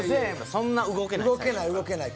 そんな動けない。